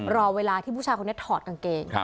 รอเวลาที่ผู้ชายคนนี้ถอดกางเกง